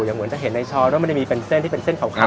อย่างเหมือนจะเห็นในช้อนรวมหนึ่งมีเป็นเส้นที่เป็นเส้นข่าว